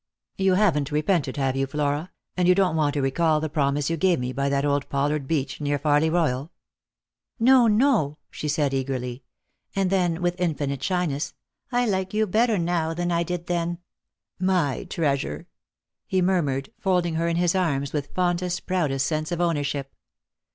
You haven't repented, have you, Flora, and you don't want to recall the promise you gave me by that old pollard beech near Farley Royal ?"" No, no," she said eagerly ; and then with infinite shyness, " I like you better now than I did then." " My treasure !" he murmured, folding her in his arms with fondest, proudest sense of ownership.